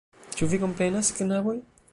Ĉu vi komprenas, knaboj?